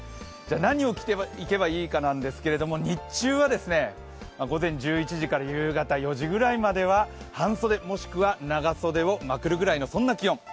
何を着ていけばいいかなんですが日中は午前１１時から夕方４時ぐらいまでは半袖、もしくは長袖をまくるくらいの、そんな気温。